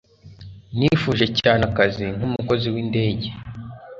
Nifuje cyane akazi nkumukozi windege.